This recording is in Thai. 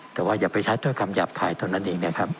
แต่ว่าอย่าไปใช้เท่ากรรมหยาบไทยตอนนั้นเองนะครับ